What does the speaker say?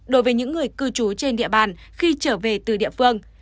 đối với những người cư trú trên địa bàn khi trở về từ địa phương